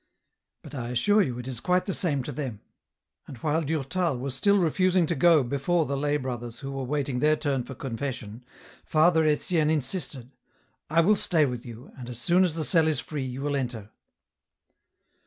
" But I assure you it is quite the same to them." And while Durtal was still refusing to go before the lay brothers who were waiting their turn for confession, Father Etienne insisted : "I will stay with you, and as soon as the cell is free, you will enter."